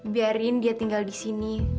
biarkan dia tinggal disini